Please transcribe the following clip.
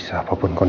kau mome bingung